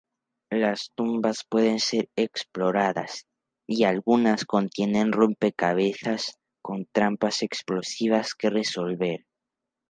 Las tumbas pueden ser exploradas y algunas tienen "rompecabezas con trampas explosivas" que resolver.